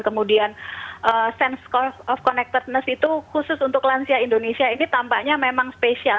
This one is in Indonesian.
kemudian of connectedness itu khusus untuk lansia indonesia ini tampaknya memang spesial